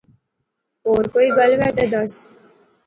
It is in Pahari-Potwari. ہور کوئی گل وے دے دس